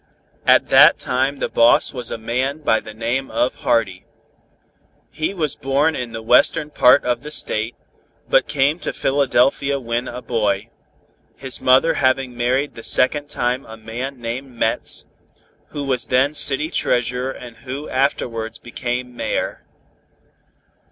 At that time the boss was a man by the name of Hardy. He was born in the western part of the State, but came to Philadelphia when a boy, his mother having married the second time a man named Metz, who was then City Treasurer and who afterwards became Mayor.